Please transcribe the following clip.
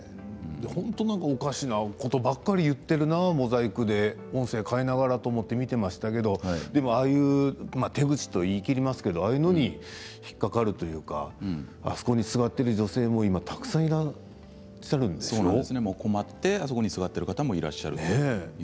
本当におかしなことばかり言っているな、モザイクで音声を変えながらと思って見ていましたけど、でもああいう手口と言い切りますけどああいうのに引っ掛かるというかあそこに、すがっている女性も今たくさん困ってあそこに座っている方もいます。